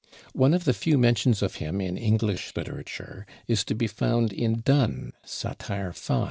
One of the few mentions of him in English literature is to be found in Donne, Satire v.